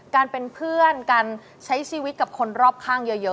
การเป็นเพื่อนการใช้ชีวิตกับคนรอบข้างเยอะ